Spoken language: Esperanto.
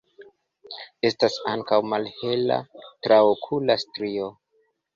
Estas ankaŭ malhela traokula strio.